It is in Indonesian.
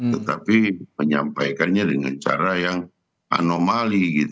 tetapi menyampaikannya dengan cara yang anomali